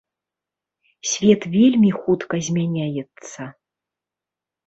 Свет вельмі хутка змяняецца.